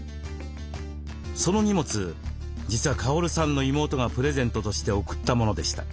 その荷物実はカオルさんの妹がプレゼントとして送ったものでした。